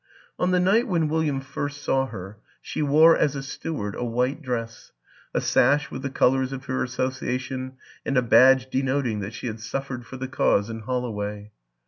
On the night when William first saw her she wore, as a steward, a white dress, a sash with the colors of her association and a badge denoting that she had suffered for the Cause in Holloway.